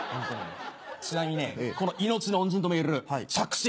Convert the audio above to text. ちなみにねこの命の恩人ともいえる着信